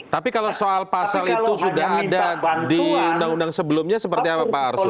tapi kalau soal pasal itu sudah ada di undang undang sebelumnya seperti apa pak arsul